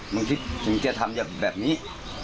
ครูจะทำแบบนี้